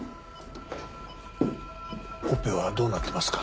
オペはどうなってますか？